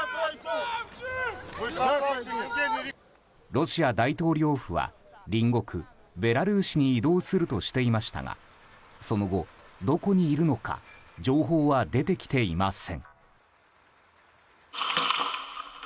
ロシア大統領府は隣国ベラルーシに移動するとしていましたがその後どこにいるのか情報は出てきていません。